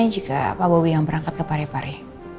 jika pak bobi yang berangkat ke parepare